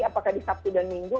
apakah di sabtu dan minggu